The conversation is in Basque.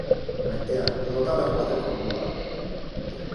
Maitea, lotara joateko ordua da